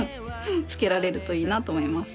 着けられるといいなと思います。